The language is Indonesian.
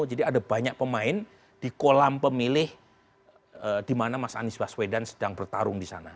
jadi ada banyak pemain di kolam pemilih di mana mas anies baswedan sedang bertarung di sana